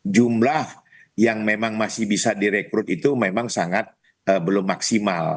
jumlah yang memang masih bisa direkrut itu memang sangat belum maksimal